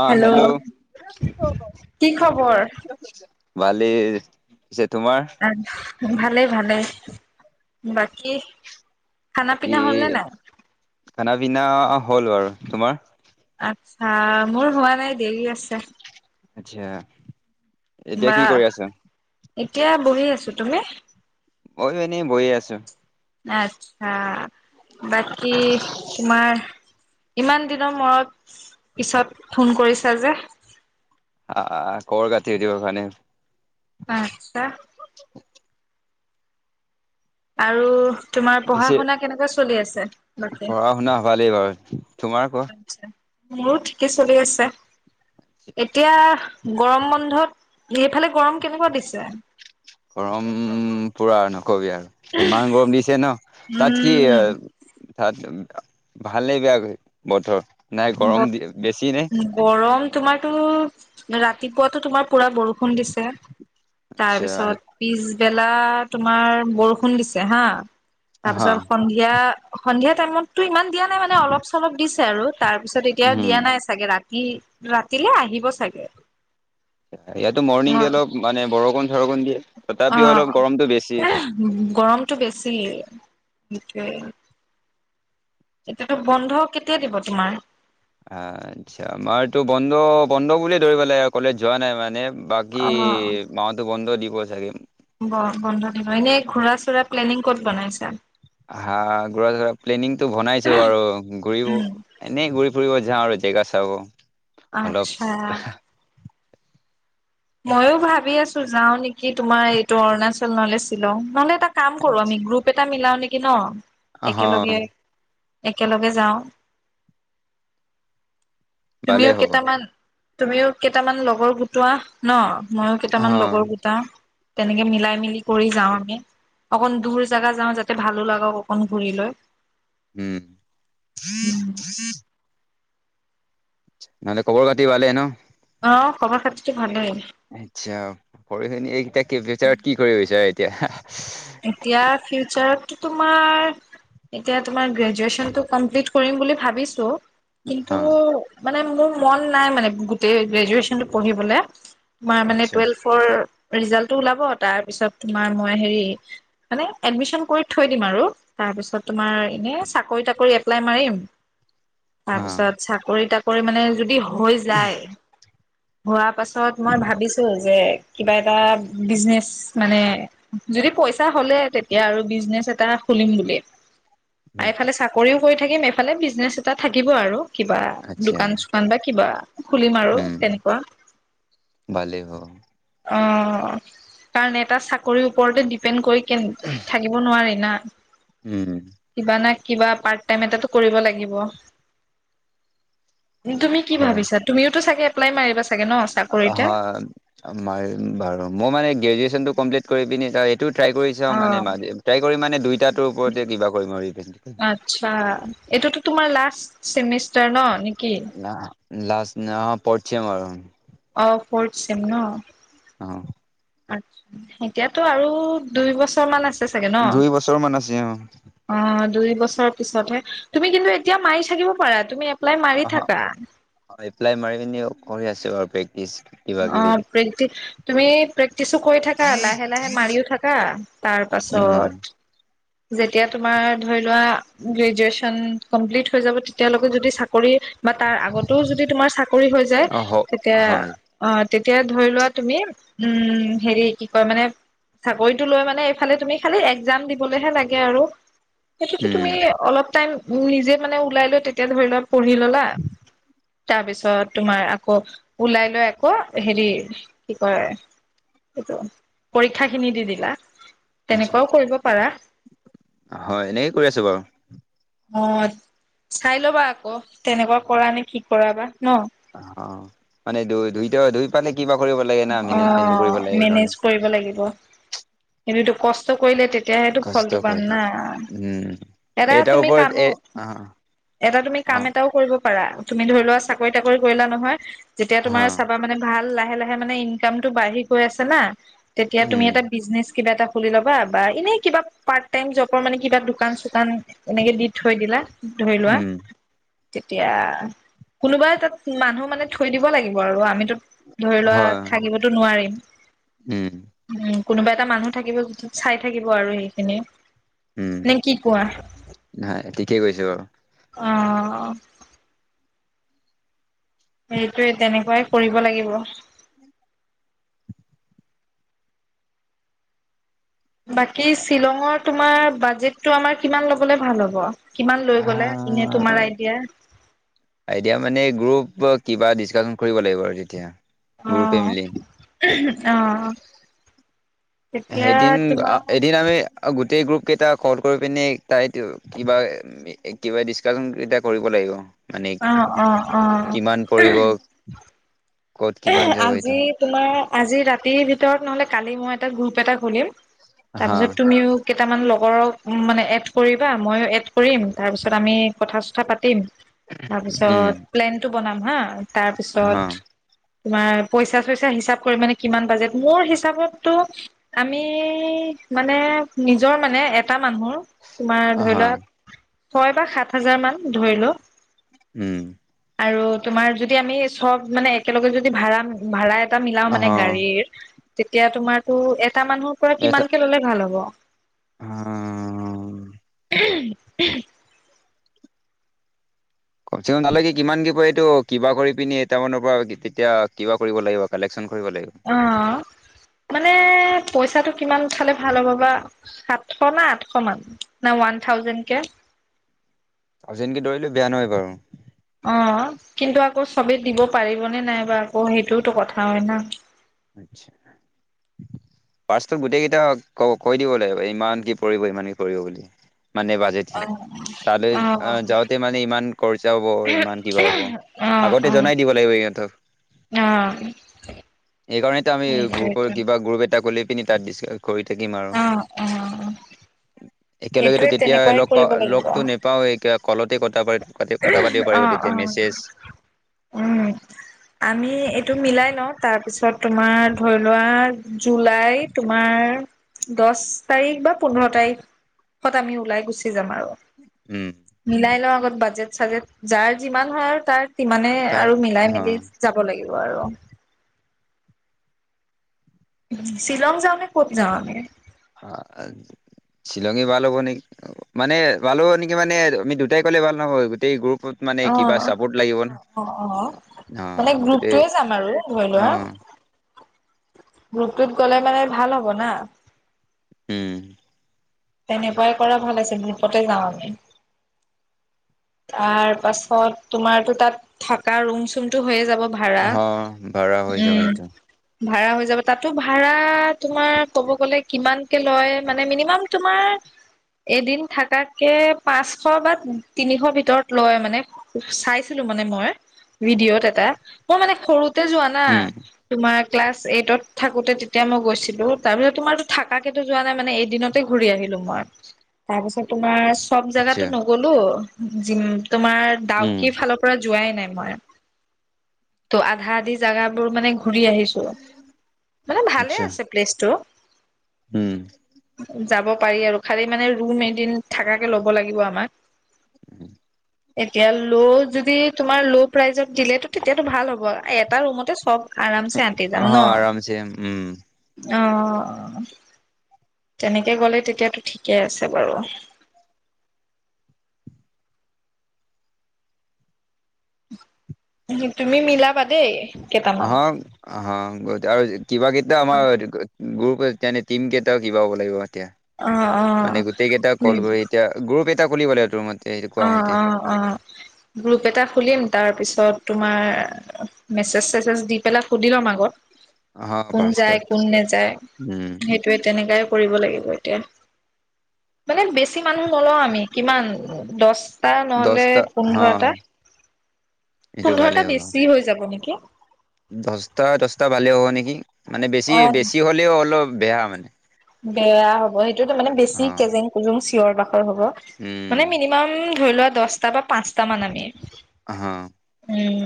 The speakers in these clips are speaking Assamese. অ', হেল্ল, কি খবৰ? ভালেই। পিছে তোমাৰ আত ভালেই। ভালেই। বাকী খানা বাকী পিনা হ'লনে নাই? খানা পিনা হ'ল বাৰু তোমাৰ? অচ্ছা, মোৰ হোৱা নাই দেৰি আ ছে। আচ্ছা এতিয়া বা, কি কৰি আছা এতিয়া বহি আছো। তুমি? মইয়ো এনেই বহি আছো। আচ্ছা বাকী তোমাৰ ইমান দিনৰ মূৰত, পিছত ফোন কৰিছা যে? আহ কৰ কাটি দিব আচ্ছা আৰু তোমাৰ পঢ়া পিছে শুনা কেনেকুৱা চলি আছে বাকী? পঢ়া-শুনা হবালেই বাৰু, তোমাৰ কোৱা? আচ্ছা মোৰো ঠিকে চলি আছে, এতিয়া গৰম বন্ধত সেইফালে গৰম কেনেকুৱা দিছে? গৰম পুৰা কবি আৰু, ইমান গৰম দিছে ন, তাত কি উম তাত ভালেই বেয়া বতৰ নাই ব গৰম বেছি নে গৰম তোমাৰ ত' ৰাতিপুৱাতো তোমাৰ পুৰা বৰষুণ দিছে, আচ্ছা তাৰপিছত পিছবেলা তোমাৰ বৰষু শুন দিছে হা তাৰ হা পিছত সন্ধিয়া, সন্ধিয়া টাইমতটো ইমান তেতিয়া এনে মানে অলপ-চলপ দিছে আৰু তাৰপিছত এতিয়া উম দিয়া নাই চাগে ৰা ৰাতি, ৰাতিলে আহিব চাগে। ইয়াতো মৰ্ণিংকে অলপ মানে বৰষুণ-চৰষুণ আহ, গৰমটো বেছি [inaudible] এতিয়াতো বন্ধ কেতিয়া দিব? তোমাৰ আচ্ছা আমাৰটো বন্ধ, বন্ধ বুলিয়ে ধৰিব লাগে কলেজ যোৱা নাই মানে বাকী অ মাতো বন্ধ দি পোৱা চাগে বন্ধ দিব এনে ঘুৰা চুৰা প্লেনিং ক'ত বনাইছা? হা প্লেনিংটো বনাইছো বাৰু, ঘূৰিব, উম এনেই ঘূৰি-ফুৰিব যাওঁ আৰু জেগা চাব অলপ আচ্ছা। মইয়ো ভাবি আছো যাও নেকি তোমাৰ এইটো অৰুণাচল নলে ছিলং নহলে তাক। কাম কৰো আমি গ্ৰুপ এটা মিলাও নেকি ন। অহ একেলগে। একেলগে যাওঁ। ভালেই তুমিও হ'ব কেটামান। তুমিও কেইটামান লগৰ গোটোৱা। ন ময়ো অহ কেইটামান লগৰ গোটাও। তেনেকে মিলাই মিলি কৰি যাওঁ আমি অকণ দূৰ জাগা যাওঁ যাতে ভালো লাগক অকন ঘূৰি লৈ। উম উম, নহলে খবৰ খাতি ভালে ন? অ খবৰ খাতি টো ভালেই আচ্ছা পঢ়ি ঝ এই বিচাৰত কি কৰিব বিচাৰে? এতিয়া এতিয়া ফিউচাৰত তোমাৰ এতিয়া তোমাৰ গ্ৰেজুৱেচন টো কমপ্লিট কৰিম বুলি ভাবিছো। কিন্তু অ মানে মোৰ মন নাই মানে গোটেই গ্ৰেজুৱেচনটো পঢ়িবলৈ। মই মানে আচ্ছা টুৱেলভৰ ৰিজাল্টটো ওলাব তাৰ পিছত তোমাৰ মই হেৰি মানে এডমিচন কৰি থৈ দিম আৰু তাৰপিছত তোমাৰ এনে চাকৰি তাকৰি এপ্লাই মাৰিম। অ তাৰপিছত চাকৰি তাক পৰি মানে যদি হৈ যায় হোৱা। তাৰপাছত মই ভাবিছোঁ যে কিবা এটা বিজনেচ মানে যদি পইচা হ'লে তেতিয়া আৰু বিজনেচ এটা খুলিম বুলি উম, আৰুফালে চাকৰিও কৰি থাকিম এফালে বিজনেচ এটা থাকিব আৰু কিবা আচ্ছা দোকান চোকান বা কিবা খুলিম আৰু উম তেনেকুৱা। ভালেই হ'ব অ কাৰণ এটা চাকৰি ওপৰতে দি পেন কৰি কে থাকিব নোৱাৰি না, উম কিবা না কিবা পাৰ্ট টাইম এটাটো কৰিব লাগিব। তুমি কি হয় ভাবিছা তুমিও তটো চাগে মাৰিবছে। হয় ম বাৰু মোৰ মানে গ্ৰেজুৱেচনটো কমপ্লিট পিনি যা ট্ৰাই কৰি চা মানে অ ট্ৰাই কৰি মানে দুইটাটোৰ ওপৰতে কিবা কৰিম আৰু তুমি ন নেকি না লাষ্ট অ পঢ়ছ মাৰ, অ ফৰ্থ চিম ন অ! এতিয়াতো আৰু দুই বছৰ মান আছে। চাগে ন? দুই বছৰ মান আছে অ! অ দুই বছৰৰ পিছতহে তুমি কিন্তু এতিয়া মাৰি থাকিব পাৰা তুমি। এপ্লাই মাৰি অ থাকা। এপ্লাই মাৰি পিনি কৰি আছো বাৰ অ প্ৰেক্টি তুমি প্ৰেক্টিচো কৰি থাকা লাহে লাহে মাৰিও থাকা তাৰ উম পাছত। [inaudible] যাব তেতিয়ে যদি কৰি বা তাৰ আগতেও যদি তোমাৰ চাকৰি হৈ যায় অ হ তেতিয়া। হয় তেতিয়া ধৰি লোৱা তুমি উম হেৰি কি কয় মানে চাকৰিতটো লৈ মানে এইফালে তুমি খালি একজাম দিব। লেহে লাগে আৰু সেইটোতো উম তুমি অলপ টাইম উ নিজে মানে ওলাই লৈ তেতিয়া ধৰি লোৱা পঢ়ি ললা তাৰপিছত তোমাৰ আকৌ ওলাই লৈ আকৌ হেৰি কি কয় এইটো পৰীক্ষা খিনি দি দিলা। আচ্ছা তেনেকুৱাও কৰিব। হ! হয় এনেকে কৰি আছো বাৰু অ চাই লবা আকৌ তেনেকুৱা কৰা নে কি কৰা বা ন। অ মানে ধ ধুই ধুই পালে। অ মেনেজ কৰিব লাগিব। কিন্তু এইটো কষ্ট কৰিলে তেতিয়াহো কষ্ট ফলটো পাম কৰিলে না উম এ এটাৰ তুমি ওপৰত কামো এ অ এটা তুমি অ কাম এটাও কৰিব। পাৰা তুমি ধৰি লোৱা চাকৰি তাকৰি কৰিলা নহয়, যেতিয়া তোমাৰ হা চাবা মানে ভাল লাগ মানে ইনকামতটো বাঢ়ি গৈ আছে না তেতিয়া তুমি উম এটা বিজনেছ কিবা এটা খুলি ল'বা বা এনে কিবা পাৰ্ট টাইম জব মানে কিবা দোকান চোকান এনেকে দি থৈ দিলা ধৰি লোৱা উম তেতিয়া কোনোবাই তাত মানুহ মানে থৈ দিব লাগিব আৰু আমিতো। ধৰি লোৱা হয় থাকিবতো নোৱাৰিম উম উম। কোনোবা এটা মানুহ থাকিব চাই থাকিব আৰু সেইখিনি উম, নে কি কোৱা? নাই ঠিকেই কৈছে বাৰু। অ সেইটোৱে তেনেকুৱাই কৰিব লাগিব। বাকী শ্বিলঙত তোমাৰ বাজেটটো আমাৰ কিমান ল'বলে ভাল হ'ব? কিমান লৈ গ'লে এনে তোমাৰ আইডিয়া? এতিয়া মানে গ্ৰুপ কিবা ডিচকাশচন কৰিব লাগিব আৰু তেতিয়া। গ্ৰুপে অঁ, মিলি উহুম, অঁ। সেইদিন অ এদিন আমি গো গোটেই গ্ৰুপ কেইটা কল কৰি পিনে, তাইত কিবা কিবা ডিচকাশচন এটা কৰিব লাগিব। মানে অহ, অহ, অ। কিমান পৰিব ক'ত কিমান যাব এইটো আজি তোমাৰ আজি ৰাতিৰ ভিত ভিতৰত নহ'লে কালি মই এটা গ্ৰুপ এটা খুলিম। হা তাৰপিছত তুমিও কেইটামান লগৰক মানে এড কৰিবা, ময়ো এড কৰিম, তাৰপিছত আমি কথা চথা পাতিম। উম তাৰপিছত প্লেনতটো বনাম হা? তাৰপিছত হা তোমাৰ পইচা চইচা হিচাপ কৰি মানে কিমান বাজেট, মোৰ হিচাপতটো আমি মানে নিজৰ মানে এটা মানুহ তোমাৰ ধৰি হা লোৱা ছয় বা সাত হাজাৰ মান ধৰি ল'। উম আৰু তোমাৰ যদি আমি চব মানে। একেলগে যদি ভাড়া ভাড়া। এটা মিলাও অ মানে গাড়ীৰ। তেতিয়া তোমাৰ ত' এটা মানুহৰ পৰা কিমানকে ললে ভাল হ'ব? অ, উ কম চে কম নালাগে কিমান কি কয় এইটো কিবা কৰি পিনে এটামানৰ পৰা তেতিয়া কিবা কৰিব লাগিব কালেকচন। অ', মানে পইচাটো কিমান উঠালে ভাল হ'ব বা, সাতশ না আঠশ মান? না ওৱান থাউজেণ্ডকে? অজিনকে দৌৰিলে বেয়া নহয় বাৰু অ কিন্তু আকৌ চবেই দিব পাৰিবনেে নাই বা আকৌ সেইটোওতো কথা হয় ন পাৰ্চত গোটেই কেইটা ক কৈ দিব লাগিব ইমান কি পৰিব ইমান কি পৰিব বুলি মানে বাজেট অ তালৈ অ যাওঁতে মানে ইমান খৰচা হব ইমান কিবা হ'ব অ আগতে অ জনাই দিব লাগিব সিহঁতক অ এইকাৰণেতো আমি গ্ৰুপৰ সেইটোৱেটো কিবা গ্ৰুপ এটা কলে' পিনি তাত দিছে কৰি থাকিম আৰু অ অ সেইটোৱে একেলগেতো কেতিয়া তেনেকুৱাই লগ কৰিব পাওঁ লাগিব লগতো নেপাও কলতে কঠা পাতি কথা পাতিব পাৰিব অ অ তেতিয়া মেছেজ উম আমি এইটো মিলাই লওঁ তাৰপিছত তোমাৰ ধৰি লোৱা জুলাই তোমাৰ দহ তাৰিখ বা পোন্ধৰ তাৰিখত আমি ওলাই গুচি যাম আৰু উম মিলাই লওঁ ত বাজে চাগে যাৰ যিমান হয় আৰু তাৰ সিমানে তাৰ আৰু মিলাই হ মেলি যাব লাগিব বাৰু শ্বিলং যাওনে ক'ত যাওঁ আমি শ্বিলঙী ভাল হ'ব নেকি মানে বাল হ' নেকি মানে আমি দুটাই ক'লে ভাল নহয় গোটেই গ্ৰুপ অ অ অ অ অ মানে গোটেই গ্ৰুপটয়ে যাম আৰু ধৰি অ লোৱা। গ্ৰুপটোত গ'লে মানে ভাল হ'ব না উম তেনেকুৱাই কৰা ভাল আছিল গ্ৰ্যপতে যাওঁ আমি তাৰ পাছত তোমাৰতো তাত থকা ৰুম চুমটো হৈয়ে যাব ভাড়া হ ভাড়া হৈ যাব উম। সেইটো ভাড়া হৈ যাব তাতো ভাড়া তোমাৰ ক'ব গ'লে কিমানকে লয় মানে মিনিমাম। তোমাৰ এদিন থাকাকে পাঁচশ বা তিনিশ ভিতৰত লয় মানে চাইছিলো মানে মই ভিডিঅ'ত এটা মই মানে সৰু। তে যোৱা না উম তোমাক। ক্লাছ এইটত থাকোঁতে তেতিয়া মই গৈছিলোঁ, তাৰপিছত তোমাৰতো থাকাকেতো যোৱা নাই মানে এদিনত ঘূৰি আহিলো মই। তাৰ পিছত তোমাৰ চব জেগাতো আচ্ছা নগলো। জিম, তোমাৰ উম ডাউকীৰ ফালৰ পৰা, যোৱাই নাই মই ত' আধা-আধি জাগাবোৰ মানে, ঘূৰি আহিছো মানে ভালে আচ্ছা আছে প্লেচটো। উম, যাব পাৰি আৰু খালি মানে ৰুম এদিন থাকাকে ল'ব লাগিব আমাক। উম, এতিয়া ল' যদি তোমাৰ ল' প্ৰাইজত দিলেটো তেতিয়াতো ভাল হ'ব। এটা ৰুমতে চব আৰামছে আঁতি যাম হ ন আৰামছে উম। অ, তেনেকে গলে তেতিয়াতো ঠিকেই আছে বাৰু। তুমি মিলাবা দেই। কেইটামান আহা-আহা গৈ তেওঁ আৰু কিবা কেইটা অ আমাৰ গ্ৰ তেনে টিম কেইটাও কিবা হ'ব লাগিব। অ মানে গোটেই কেইটা কল কৰি এতিয়া গ্ৰুপ এ এটা খিবাগ আৰু তোৰ মত অ-অ-অ, গ্ৰুপ এটা খুলিম তাৰ পিছত। তোমাৰ মেছেজ-চেছেজ দি পেলাই সুধি ল'ম আগত। অ কোন যায় পাৰ্চত কোন নেযায় উম সেইটোয়ে তেনেকাই কৰিব লাগিব। তেহ', মানে বেছি মানুহ নলওঁ আমি কিমান? দহ, টা নহলে দহটা হা পোন্ধৰটা। পোন্ধৰটা বেছি হৈ যাব নেকি? কি? দছটা-দছটা ভালেই হ'ব নেকি? মানে অ বেছি-বেছি হলেও অলপ বেয়া মানে বেয়া হ'ব সেইটো মানে অ বেছি কেজেং কুজুং চিঞৰ বাখৰ [unintelligible] মানে উম মিনিমাম ধৰি লোৱা দসটা বা পাঁচটা মান আমি হ উম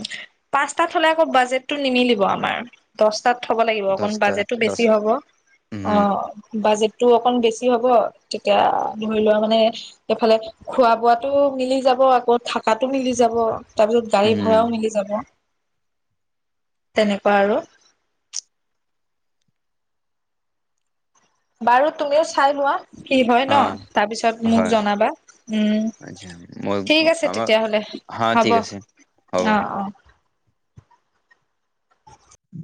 পাঁচটাত হলে আকৌ বাজেটটো নিমিলিব আমাৰ দস থব লাগিব অক দহটা বাজেটটো দহ বেছি হ'ব, অ উম বাজেটটো অকণ বেছি হ'ব তেতিয়া ধৰি লোৱা মানে এইফালে খোৱা বোৱাতটো মিলি যাব আকৌ থাকাতো মিলি যাব তাৰপিছত গাড়ী ভাড়াও উম মিলি যাব তেনেকুৱা আৰু বাৰু তুমিও চাই লোৱা কি হয় অ ন তাৰপিছত মোক হয় জনাবা উম আচ্ছা মই ঠিক আছে আমাৰ তেতিয়াহ'লে হা ঠিক হ'ব আছে হ'ব অ অ